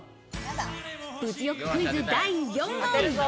物欲クイズ、第４問。